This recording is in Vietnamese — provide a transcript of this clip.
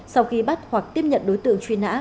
sau khi bắt hoặc tiếp nhận đối tượng truy nã